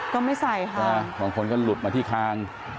ก็ไม่ใส่ค่ะบางคนก็หลุดมาที่คาง